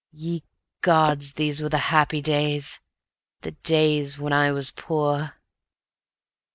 . Ye Gods! these were the happy days, the days when I was poor.